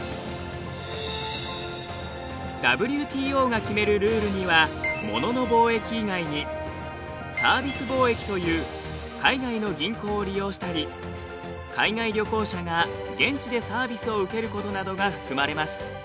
ＷＴＯが決めるルールには物の貿易以外にサービス貿易という海外の銀行を利用したり海外旅行者が現地でサービスを受けることなどが含まれます。